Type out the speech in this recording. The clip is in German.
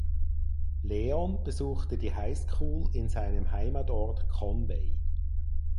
Leon besuchte die High School in seinem Heimatort Conway.